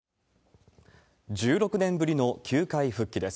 １６年ぶりの球界復帰です。